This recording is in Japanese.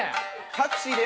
タクシーで